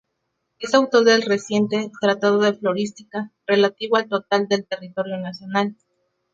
Es autor del reciente ""Tratado de Florística"" relativo al total del territorio nacional.